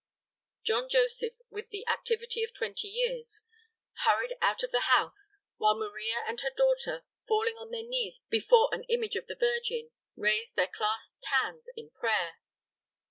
John Joseph, with the activity of twenty years, hurried out of the house, while Maria and her daughter, falling on their knees before an image of the Virgin, raised their clasped hands in prayer.